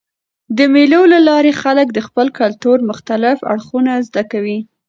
د مېلو له لاري خلک د خپل کلتور مختلف اړخونه زده کوي.